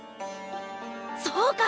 そうか！